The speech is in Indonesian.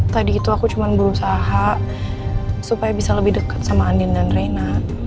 tadi itu aku cuma berusaha supaya bisa lebih dekat sama andin dan reina